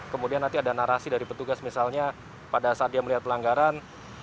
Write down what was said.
jadi nanti ada narasi dari petugas misalnya pada saat dia melihat pelanggaran